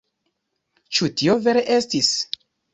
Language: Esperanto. Ĉu tio vere estis?